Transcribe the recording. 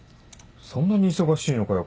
そんなに忙しいのかよ？